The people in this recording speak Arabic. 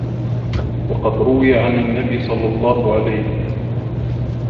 وَقَدْ رُوِيَ عَنْ النَّبِيِّ صَلَّى اللَّهُ عَلَيْهِ